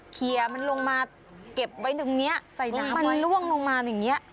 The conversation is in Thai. เคลียร์มันลงมาเก็บไว้ตรงเนี้ยใส่น้ำไว้มันล่วงลงมาตรงเนี้ย